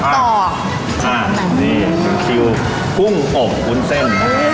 ต่อนี่กุ้งอมอุ้นเส้น